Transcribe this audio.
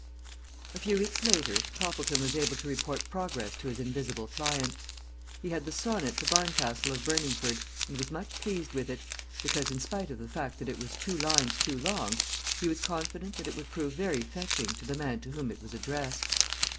A FEW weeks later Toppleton was able to report progress to his invisible client. He had the sonnet to Barncastle of Burningford and was much pleased with it, because, in spite of the fact that it was two lines too long, he was confident that it would prove very fetching to the man to whom it was addressed.